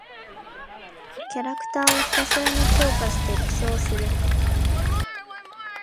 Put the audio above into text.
キャラクターをひたすらに強化して無双する。